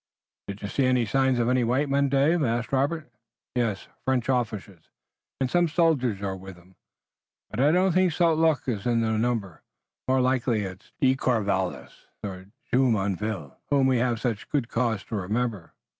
"Did you see signs of any white men, Dave?" asked Robert. "Yes, French officers and some soldiers are with 'em, but I don't think St. Luc is in the number. More likely it's De Courcelles and Jumonville, whom we have such good cause to remember."